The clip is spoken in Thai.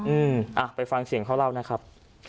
อ๋ออืออ่ะไปฟังเสียงเขารับนะครับ